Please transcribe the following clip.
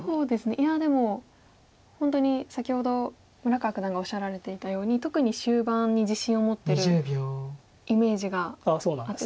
いやでも本当に先ほど村川九段がおっしゃられていたように特に終盤に自信を持ってるイメージがあります。